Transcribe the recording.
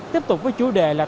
tiếp tục với chủ đề là